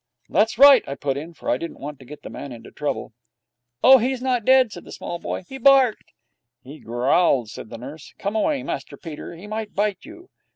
'That's right,' I put in, for I didn't want to get the man into trouble. 'Oh, he's not dead,' said the small boy. 'He barked.' 'He growled,' said the nurse. 'Come away, Master Peter. He might bite you.'